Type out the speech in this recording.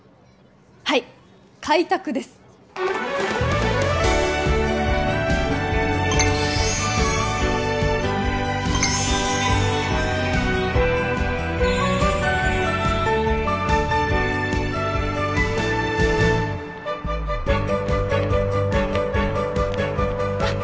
はい開拓ですあっ